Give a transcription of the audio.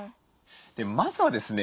まずはですね